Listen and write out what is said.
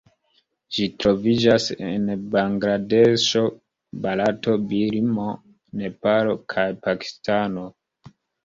Ĝi troviĝas en Bangladeŝo, Barato, Birmo, Nepalo kaj Pakistano.